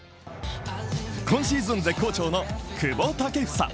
今シーズン絶好調の久保建英。